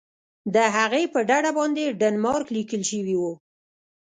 د هغې په ډډه باندې ډنمارک لیکل شوي وو.